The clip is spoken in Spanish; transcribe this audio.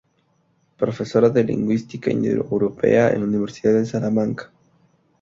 Profesora de Lingüística Indoeuropea en la Universidad de Salamanca.